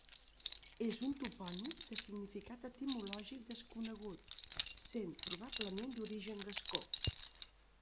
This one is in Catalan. És un topònim de significat etimològic desconegut, sent probablement d'origen gascó.